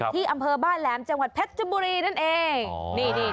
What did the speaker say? ที่อำเภอบ้านแหลมจังหวัดเพชรบุรีนั่นเอง